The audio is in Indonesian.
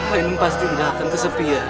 aduh pasti udah akan kesepian